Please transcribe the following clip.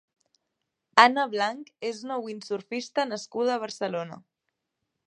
Anna Blanch és una windsurfista nascuda a Barcelona.